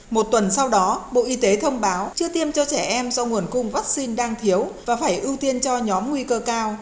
một tuần sau đó bộ y tế thông báo chưa tiêm cho trẻ em do nguồn cung vaccine đang thiếu và phải ưu tiên cho nhóm nguy cơ cao